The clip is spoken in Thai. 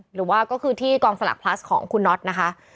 หรือว่าก็คือที่กองสลักพลัสของคุณน็อตนะคะ